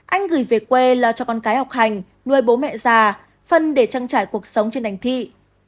anh gửi về quê lo cho con cái học hành nuôi bố mẹ già phân để trang trải cuộc sống trên đành thị